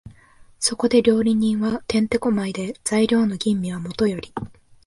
そこで料理人は転手古舞で、材料の吟味はもとより、